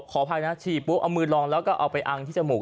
ขออภัยนะฉี่ปุ๊บเอามือลองแล้วก็เอาไปอังที่จมูก